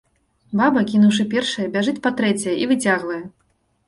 Баба, кінуўшы першае, бяжыць па трэцяе і выцягвае.